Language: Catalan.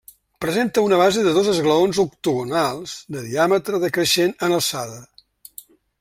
Presenta una base de dos esglaons octogonals de diàmetre decreixent en alçada.